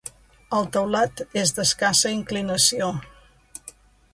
El teulat és d'escassa inclinació.